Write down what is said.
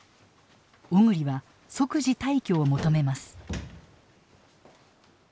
小栗は即時退去を求めます。